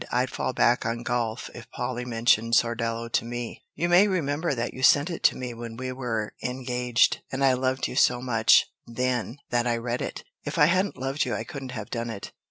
"I'd fall back on golf if Polly mentioned Sordello to me. You may remember that you sent it to me when we were engaged, and I loved you so much then that I read it. If I hadn't loved you I couldn't have done it."